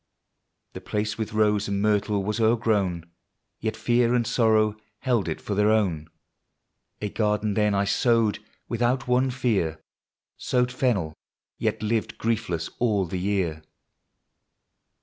270 POEMS OF SENTIMENT. ii. The place with rose and myrtle was o'ergrown, Yet Fear and Sorrow held it for their own. A garden then I sowed without one fear, — Sowed fennel, yet lived griefless all the year.